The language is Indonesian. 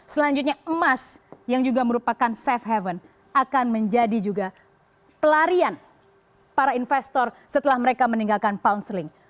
selanjutnya emas yang juga merupakan safe haven akan menjadi juga pelarian para investor setelah mereka meninggalkan pound sling